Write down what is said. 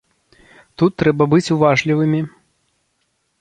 Тут трэба быць уважлівымі.